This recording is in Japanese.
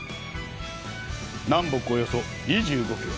南北およそ２５キロ。